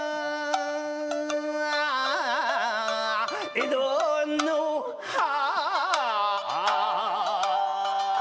「江戸の花」